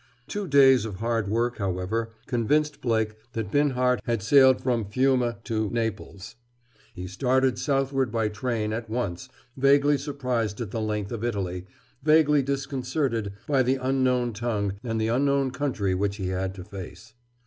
Two days of hard work, however, convinced Blake that Binhart had sailed from Fiume to Naples. He started southward by train, at once, vaguely surprised at the length of Italy, vaguely disconcerted by the unknown tongue and the unknown country which he had to face.